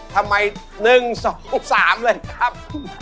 ทำไม๑๒๓เลยครับ